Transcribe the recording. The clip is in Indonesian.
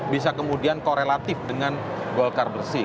bisa kemudian korelatif dengan golkar bersih